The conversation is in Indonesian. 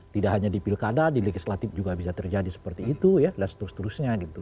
tidak hanya di pilkada di legislatif juga bisa terjadi seperti itu ya dan seterusnya gitu